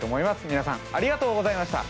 みなさんありがとうございました。